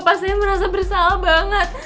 pak surya merasa bersalah banget